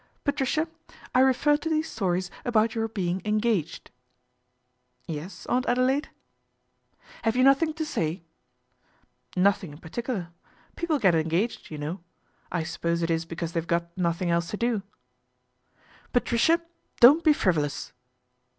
" Patricia, I refer to these stories about your being engaged." " Yes, Aunt Adelaide ?"" Have you nothing to say ?"" Nothing in particular. People get engaged. you know. I suppose it is because they've got nothing else to do." INTERVENTION OF AUNT ADELAIDE 81 " Patricia, don't be frivolous."